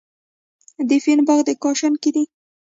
د فین باغ په کاشان کې دی.